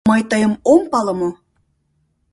Мый тыйым ом пале мо?